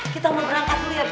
kita mau berangkat dulu ya bih